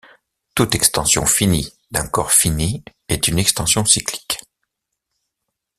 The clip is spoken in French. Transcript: Toute extension finie d'un corps fini est une extension cyclique.